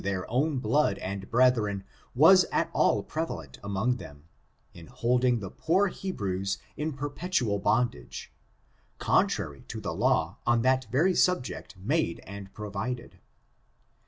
N^k^«^^^«^^^^^ 326 ORIGIN, CHARACTER, AND own blood and brethren was at all prevalent among them, in holding the poor Hebrews in perpetual bond age, contrary to the law on that very subject made and provided.